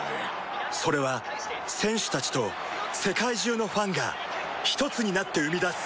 それは選手たちと世界中のファンがひとつになって生み出す